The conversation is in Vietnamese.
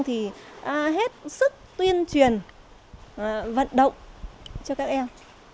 thì hết sức tuyên truyền vận động cho các em